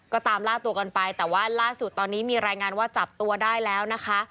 ก็ตามล่าตัวกันไปแต่ว่าล่าสุดตอนนี้มีรายงานว่าจับตัวได้แล้วนะคะ